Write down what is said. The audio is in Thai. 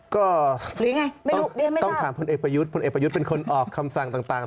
ก็ต้องถามพลเอกประยุทธ์เป็นคนออกคำสั่งต่าง